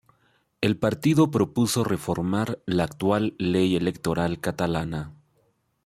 El partido propuso reformar la actual ley electoral catalana.